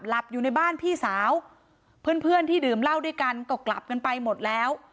หลับอยู่ในบ้านพี่สาวเพื่อนเพื่อนที่ดื่มเหล้าด้วยกันก็กลับกันไปหมดแล้ว